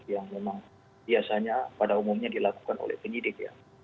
yang memang biasanya pada umumnya dilakukan oleh penyidik ya